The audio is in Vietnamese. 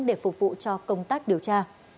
để phục vụ cho công tác điều tra